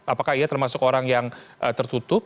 apakah ia termasuk orang yang tertutup